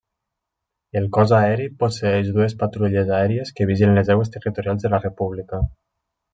El Cos Aeri posseeix dues patrulles aèries que vigilen les aigües territorials de la república.